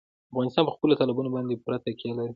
افغانستان په خپلو تالابونو باندې پوره تکیه لري.